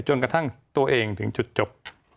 จนกระทั่งตัวเองถึงจุดจบ